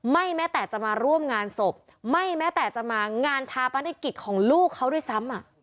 แม้แต่จะมาร่วมงานศพไม่แม้แต่จะมางานชาปนกิจของลูกเขาด้วยซ้ำ